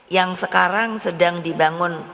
yang sekarang sedang dibangun